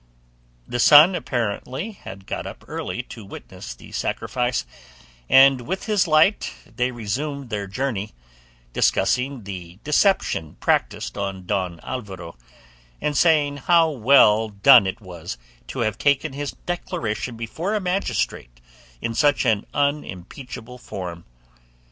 The sun apparently had got up early to witness the sacrifice, and with his light they resumed their journey, discussing the deception practised on Don Alvaro, and saying how well done it was to have taken his declaration before a magistrate in such an unimpeachable form.